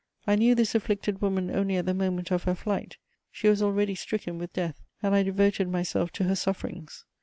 I knew this afflicted woman only at the moment of her flight; she was already stricken with death, and I devoted myself to her sufferings.